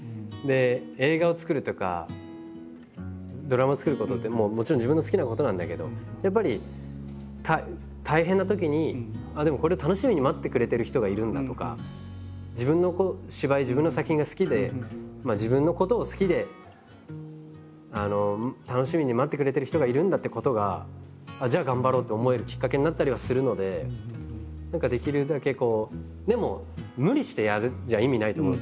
映画を作るとかドラマを作ることってもちろん自分の好きなことなんだけどやっぱり大変なときにでもこれを楽しみに待ってくれてる人がいるんだとか自分の芝居自分の作品が好きで自分のことを好きで楽しみに待ってくれてる人がいるんだってことがじゃあ頑張ろうと思えるきっかけになったりはするので何かできるだけこう。